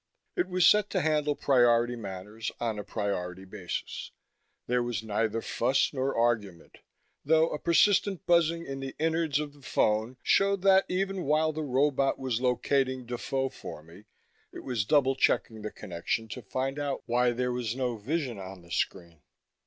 It was set to handle priority matters on a priority basis; there was neither fuss nor argument, though a persistent buzzing in the innards of the phone showed that, even while the robot was locating Defoe for me, it was double checking the connection to find out why there was no vision on the screen.